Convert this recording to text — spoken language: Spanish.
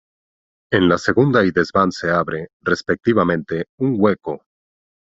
En la segunda y desván se abre, respectivamente, un hueco.